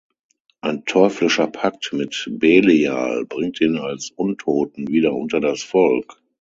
Ein teuflischer Pakt mit Belial bringt ihn als Untoten wieder unter das Volk.